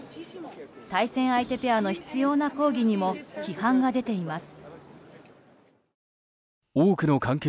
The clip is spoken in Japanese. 対戦相手ペアの執拗な抗議にも批判が出ています。